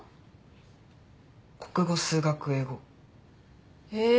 国語数学英語。へ。